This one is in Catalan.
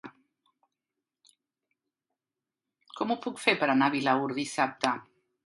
Com ho puc fer per anar a Vilaür dissabte?